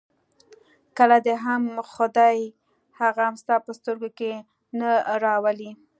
کله دې هم خدای هغه ستا په سترګو کې نه راولي.